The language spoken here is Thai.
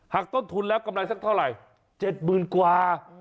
ต้นทุนแล้วกำไรสักเท่าไหร่๗๐๐๐กว่า